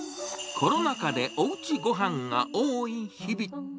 コロナ禍でおうちごはんが多い日々。